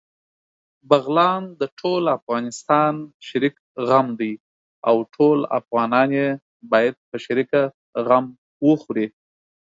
بغلان دټول افغانستان شريک غم دی، او ټول افغانان يې باېد په شريکه غم وخوري